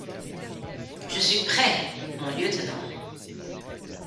Je suis prêt, mon lieutenant.